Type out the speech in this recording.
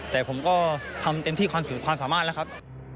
แต่ผมก็ทำเต็มที่ความสุดความสามารถแล้วครับ